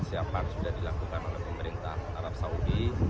persiapan sudah dilakukan oleh pemerintah arab saudi